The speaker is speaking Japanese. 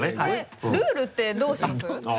ルールってどうします？